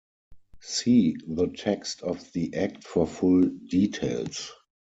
See the text of the act for full details.